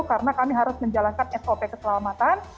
karena kami harus menjalankan sop keselamatan